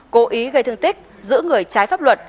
cố ý gây thương tích giữ người trái pháp luật